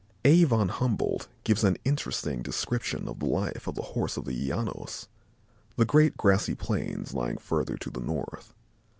A. von Humboldt gives an interesting description of the life of the Horse in the Llanos, the great grassy plains lying further to the north.